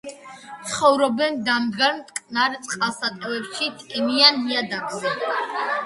ცხოვრობენ დამდგარ მტკნარ წყალსატევებში, ტენიან ნიადაგზე.